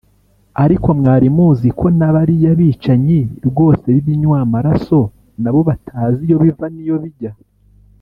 Ariko mwari muzi ko na bariya bicanyi rwose b’ibinywa amaraso nabo batazi iyo biva n’iyo bijya